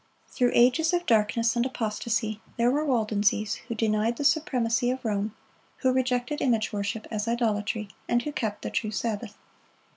Through ages of darkness and apostasy, there were Waldenses who denied the supremacy of Rome, who rejected image worship as idolatry, and who kept the true Sabbath.